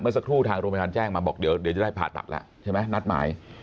สักครู่ทางโรงพยาบาลแจ้งมาบอกเดี๋ยวจะได้ผ่าตัดแล้วใช่ไหมนัดหมาย